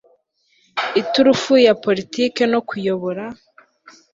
iturufu ya poritiki no kuyobora